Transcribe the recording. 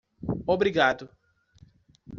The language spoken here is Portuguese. Obrigado.